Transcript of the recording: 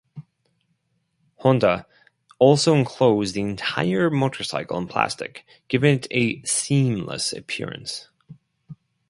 Honda also enclosed the entire motorcycle in plastic, giving it a seamless appearance.